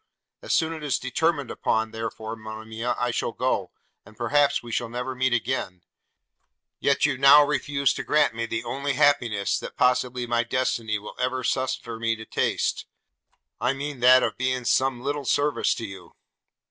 As soon as it is determined upon, therefore, Monimia, I shall go – and perhaps we shall never meet again: yet you now refuse to grant me the only happiness that possibly my destiny will ever suffer me to taste – I mean that of being of some little service to you.